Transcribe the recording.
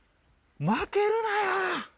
負けるなよ！